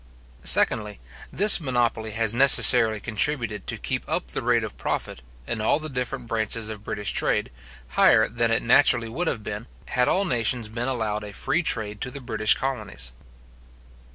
Secondly, This monopoly has necessarily contributed to keep up the rate of profit, in all the different branches of British trade, higher than it naturally would have been, had all nations been allowed a free trade to the British colonies.